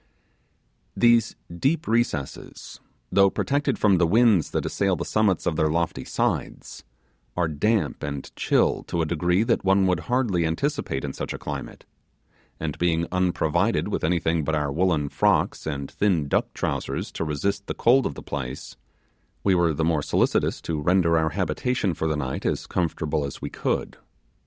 These deep recesses, though protected from the winds that assail the summits of their lofty sides, are damp and chill to a degree that one would hardly anticipate in such a climate; and being unprovided with anything but our woollen frocks and thin duck trousers to resist the cold of the place, we were the more solicitous to render our habitation for the night as comfortable as we could.